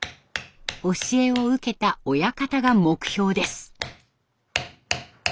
教えを受けた親方が目標です。